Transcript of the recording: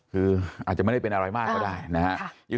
คืออาจจะไม่ได้เป็นอะไรมากก็ได้นะครับ